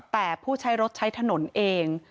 แต่ผู้ใช้รถใช้ถนนเอง